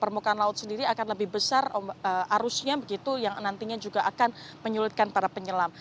permukaan laut sendiri akan lebih besar arusnya begitu yang nantinya juga akan menyulitkan para penyelam